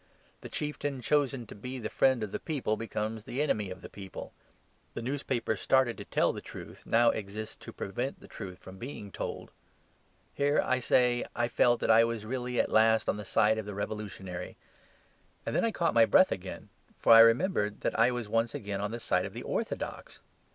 The chieftain chosen to be the friend of the people becomes the enemy of the people; the newspaper started to tell the truth now exists to prevent the truth being told. Here, I say, I felt that I was really at last on the side of the revolutionary. And then I caught my breath again: for I remembered that I was once again on the side of the orthodox.